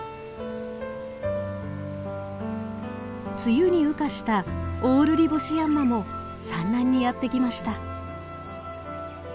梅雨に羽化したオオルリボシヤンマも産卵にやって来ました。